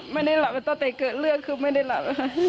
ไม่ได้หลับตั้งแต่เกิดเรื่องคือไม่ได้หลับค่ะ